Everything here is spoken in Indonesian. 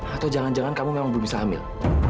atau jangan jangan kamu memang belum bisa hamil